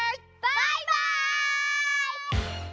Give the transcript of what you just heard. バイバイ！